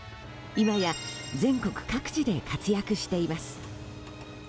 今や全国各地で活躍しています。